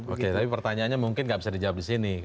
oke tapi pertanyaannya mungkin gak bisa dijawab disini